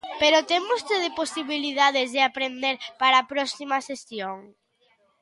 Pero ten vostede posibilidades de aprender para a próxima sesión.